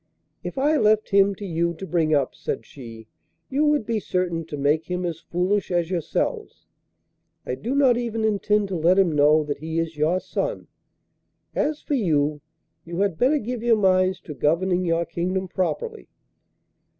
'If I left him to you to bring up,' said she, 'you would be certain to make him as foolish as yourselves. I do not even intend to let him know that he is your son. As for you, you had better give your minds to governing your kingdom properly.